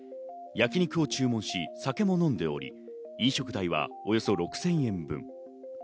焼肉を注文し、酒も飲んでおり、飲食代はおよそ６０００円分。